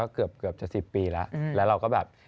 เกือบจะ๑๐ปีแล้วแล้วเราก็แบบ